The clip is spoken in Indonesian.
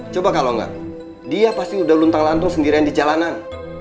coba kalau enggak dia pasti udah luntang lantung sendirian di jalanan